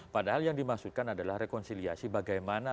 padahal yang dimaksudkan adalah rekonsiliasi bagaimana